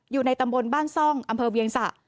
อยู่ในตำบลบ้านซ่องอำเภอเวียงสะ